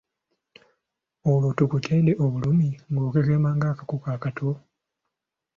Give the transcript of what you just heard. Olwo tukutende obulumi ng'okekema ng'akakoko akato.